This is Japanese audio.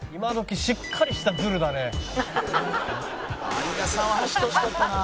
相田さんは走ってほしかったな。